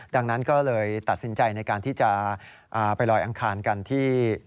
ดังนั้นก็เลยตัดสินใจในการที่จะไปลอยอังคารกันที่